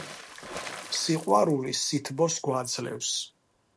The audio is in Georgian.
სიყვარული სითბოს გვაძლევს.